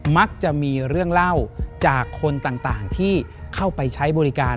มักจะมีเรื่องเล่าจากคนต่างที่เข้าไปใช้บริการ